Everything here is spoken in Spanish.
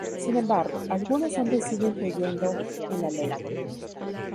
Sin embargo, algunos hombres siguen creyendo en la Ley.